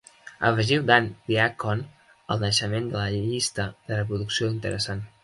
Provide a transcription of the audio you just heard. Afegiu Dan Deacon al naixement de la llista de reproducció interessant